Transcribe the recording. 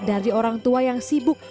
dari orang tua yang sibuk